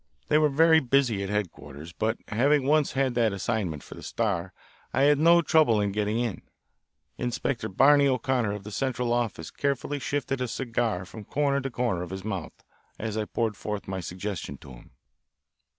They were very busy at headquarters, but, having once had that assignment for the Star, I had no trouble in getting in. Inspector Barney O'Connor of the Central Office carefully shifted a cigar from corner to corner of his mouth as I poured forth my suggestion to him.